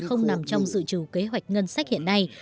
không nằm trong dự trù kế hoạch ngân sách hiện nay